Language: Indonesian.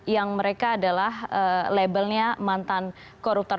yang mereka adalah labelnya mantan koruptor